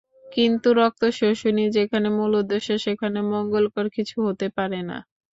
কিন্তু রক্তশোষণই যেখানে মূল উদ্দেশ্য, সেখানে মঙ্গলকর কিছু হতে পারে না।